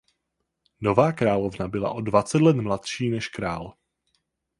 Nová královna byla o dvacet let mladší než král.